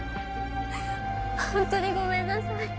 ホントにごめんなさい